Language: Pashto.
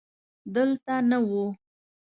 دلته نه و.